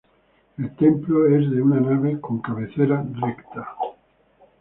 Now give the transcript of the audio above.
El templo es de una nave con cabecera recta.